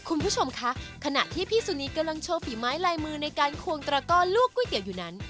คุณผู้ชมคะขณะที่พี่สุนีกำลังโชว์ฝีไม้ลายมือในการควงตระก้อนลวกก๋วยเตี๋ยวอยู่นั้น